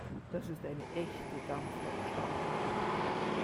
Das ist eine echte Dampflok, staunte Pit.